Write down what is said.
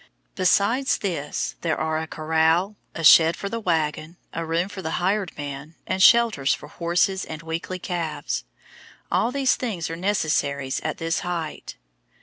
Besides this, there are a corral, a shed for the wagon, a room for the hired man, and shelters for horses and weakly calves. All these things are necessaries at this height.